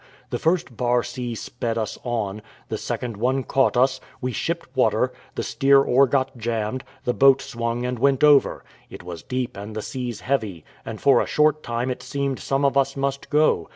The first bar sea sped us on, the second one caught us, we shipped water, the steer oar got jammed, the boat swung and went over. It was deep and the seas heavy, and for a short time it seemed some of us must go.